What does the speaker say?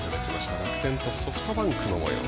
楽天とソフトバンクの試合。